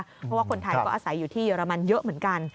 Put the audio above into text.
เพราะว่าคนไทยก็อาศัยอยู่ที่เยอรมันเยอะเหมือนกัน